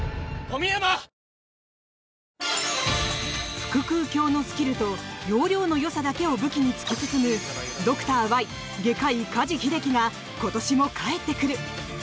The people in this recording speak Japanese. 腹腔鏡のスキルと要領のよさだけを武器に突き進む「ドクターＹ外科医・加地秀樹」が今年も帰ってくる！